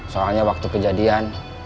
soalnya waktu kejadian